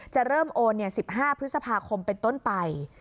จะเริ่มโอน๑๕พฤษภาคมเป็นต้นไป